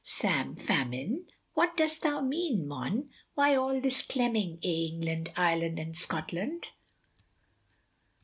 Sam Famine, wot dost mean mon, why all this clemming eh England, Ireland, an' Scotland.